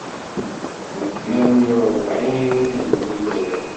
Deg tmanya u rebεun n lwilayat.